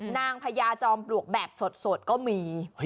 พญาจอมปลวกแบบสดก็มี